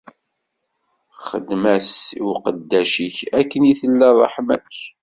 Xedm-as i uqeddac-ik akken i tella ṛṛeḥma-k.